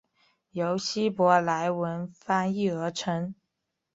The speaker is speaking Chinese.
由希伯来文翻译而成。